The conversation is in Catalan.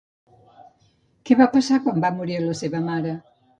Què va passar quan va morir la seva mare?